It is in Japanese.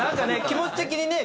気持ち的にね